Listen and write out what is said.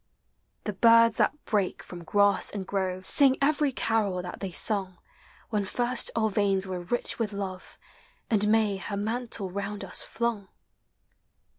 The birds that break from grass and grove Sing every carol that they sung When first our veins were rich with love. And May her mantle round us flung.